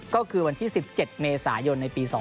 ก็คือวันที่๑๗เมษายนในปี๒๕๖